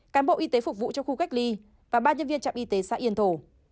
cán bộ y tế phục vụ cho khu cách ly và ba nhân viên trạm y tế xã yên thổ